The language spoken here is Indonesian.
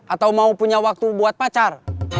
atau mau punya waktu buat pacar